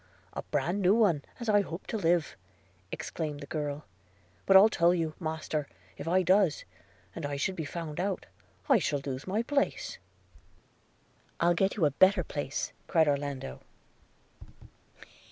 'A bran new one, as I hope to live!' exclaimed the girl; 'but I'll tell you, master, if I does, and I should be found out, I shall lose my place.' 'I'll get you a better place,' cried Orlando.